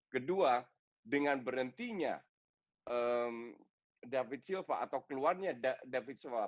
kedua dengan berhentinya david silva atau keluarnya david sofa